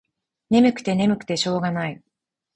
ねむくてねむくてしょうがない。